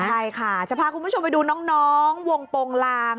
ใช่ค่ะจะพาคุณผู้ชมไปดูน้องวงโปรงลาง